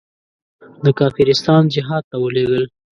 د کافرستان جهاد ته ولېږل.